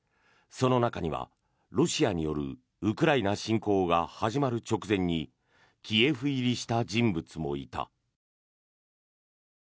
その中にはロシアによるウクライナ侵攻が始まる直前にキエフ入りした人物もいた。